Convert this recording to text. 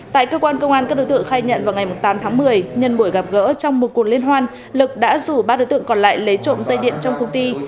tại cơ quan công an các đối tượng khai nhận vào ngày tám tháng một mươi nhân buổi gặp gỡ trong một cuộc liên hoan lực đã rủ ba đối tượng còn lại lấy trộm dây điện trong công ty